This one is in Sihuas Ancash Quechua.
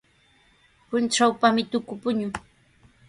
Puntrawpami tuku puñun.